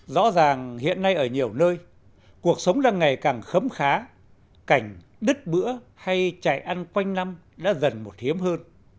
rõ ràng hiện nay ở nhiều nơi cuộc sống đang ngày càng khấm khá cảnh đứt bữa hay chạy ăn quanh năm đã dần một hiếm hơn